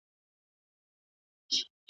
ايا خلګ خپل عبادت په ازاد ډول کوي؟